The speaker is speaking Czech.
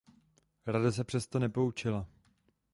Rada se přesto nepoučila.